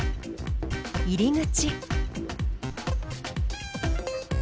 入り口。